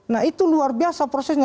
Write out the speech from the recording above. nah itu luar biasa prosesnya